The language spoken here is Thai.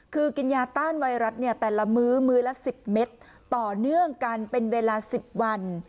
คือกินยาต้านไวรัสเนี่ยแต่ละมื้อมื้อละ๑๐เมตรต่อเนื่องกันเป็นเวลา๑๐วัน